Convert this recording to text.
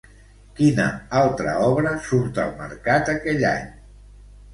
Quina altra obra surt al mercat aquell any?